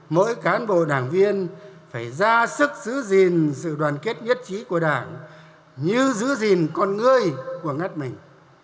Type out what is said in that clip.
mỗi cán bộ đảng viên phải ra sức giữ gìn sự đoàn kết nhất trí của đảng như giữ gìn con người của ngắt mình